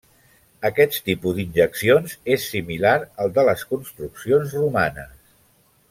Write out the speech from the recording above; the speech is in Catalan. Aquest tipus d'injeccions és similar al de les construccions romanes.